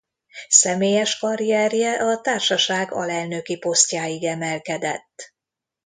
Személyes karrierje a társaság alelnöki posztjáig emelkedett.